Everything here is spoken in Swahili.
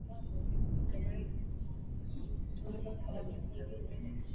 akaniambia mama huyu hapa tuko kwenye arusi